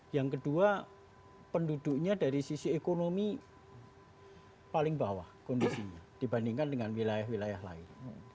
yang kedua penduduknya dari sisi ekonomi paling bawah kondisinya dibandingkan dengan wilayah wilayah lain